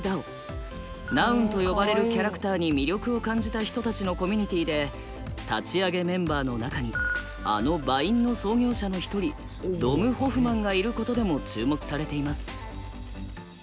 Ｎｏｕｎと呼ばれるキャラクターに魅力を感じた人たちのコミュニティで立ち上げメンバーの中にあのＶｉｎｅの創業者の一人ドム・ホフマンがいることでも注目されています。